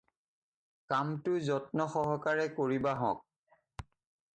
কামটো যত্ন সহকাৰে কৰিবাহঁক।